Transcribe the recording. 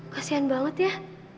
kasian banget ya